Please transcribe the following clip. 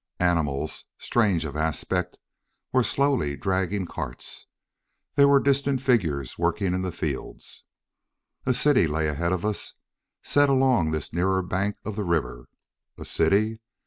Animals, strange of aspect, were slowly dragging carts. There were distant figures working in the fields. A city lay ahead of us, set along this nearer bank of the river. A city!